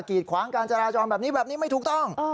ีดขวางการจราจรแบบนี้แบบนี้ไม่ถูกต้อง